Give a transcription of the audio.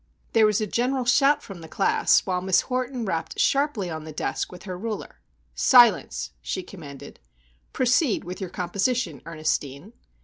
There was a general shout from the class, while Miss Horton rapped sharply on the desk with her ruler:— "Silence!" she commanded. "Proceed with your composition, Ernestine."